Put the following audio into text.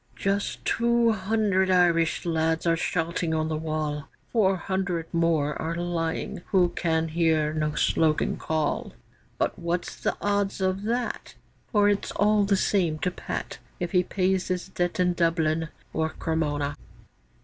Just two hundred Irish lads are shouting on the wall; Four hundred more are lying who can hear no slogan call; But what's the odds of that, For it's all the same to Pat If he pays his debt in Dublin or Cremona.